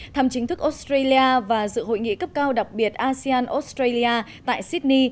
thăm chính thức australia và dự hội nghị cấp cao đặc biệt asean australia tại sydney